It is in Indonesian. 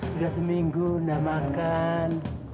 sudah seminggu gak makan